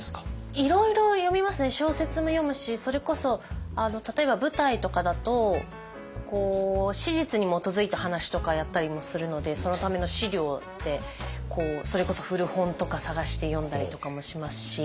いろいろ読みますね小説も読むしそれこそ例えば舞台とかだと史実に基づいた話とかやったりもするのでそのための資料ってそれこそ古本とか探して読んだりとかもしますし。